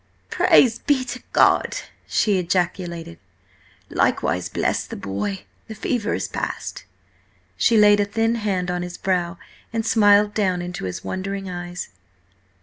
"Praise be to God!" she ejaculated. "Likewise, bless the boy! The fever is passed." She laid a thin hand on his brow, and smiled down into his wondering eyes.